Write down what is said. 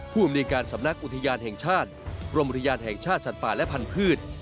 อำนวยการสำนักอุทยานแห่งชาติกรมอุทยานแห่งชาติสัตว์ป่าและพันธุ์